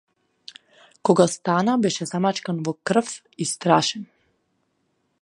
Кога стана беше замачкан во крв и страшен.